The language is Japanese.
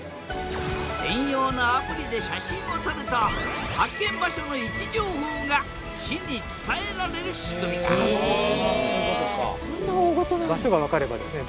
専用のアプリで写真を撮ると発見場所の位置情報が市に伝えられる仕組みだへえ！